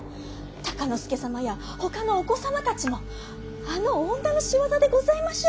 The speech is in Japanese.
敬之助様やほかのお子様たちもあの女の仕業でございましょう。